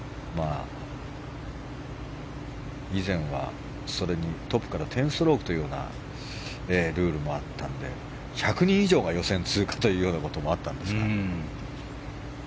以前はそれにトップから１０ストロークというようなルールもあったので１００人以上が予選通過ということもあったんですが。